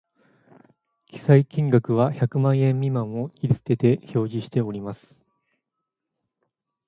記載金額は百万円未満を切り捨てて表示しております